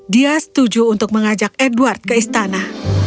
dia setuju untuk mengajak edward ke istana